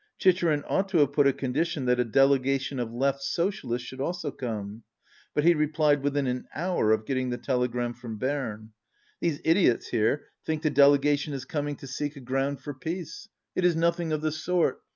Chicherin ought to have put a condition that a delegation of Left Socialists should also come. But he replied within an hour of getting the telegram from Berne. These idiots here think the delegation is coming to seek a 158 ground for peace. It is nothing of the sort.